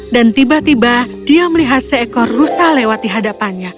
tiba tiba dia melihat seekor rusa lewat di hadapannya